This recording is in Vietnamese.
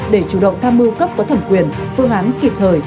để chủ động tham mưu cấp có thẩm quyền phương án kịp thời